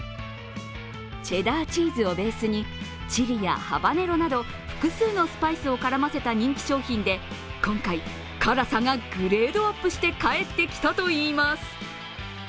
チェダーチーズをベースにチリやハバネロなど複数のスパイスを絡ませた人気商品で今回、辛さがグレードアップして帰ってきたといいます。